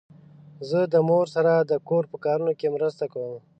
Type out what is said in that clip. زه د مور سره د کور په کارونو کې مرسته کوم.